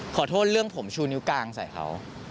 ขอโทษเรื่องผมชูนิ้วกลางใส่เขา